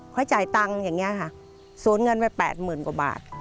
เขาจ่ายตังค์อย่างนี้ค่ะสูญเงินไป๘๐๐๐กว่าบาท